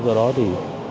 do đó thì